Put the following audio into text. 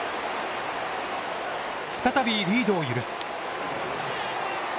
再びリードを許す。